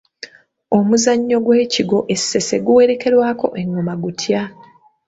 Omuzannyo gw’ekigwo e Ssese guwerekerwako engoma gutya?